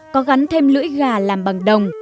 có gắn thêm lưỡi gà làm bằng đồng